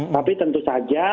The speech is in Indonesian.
tapi tentu saja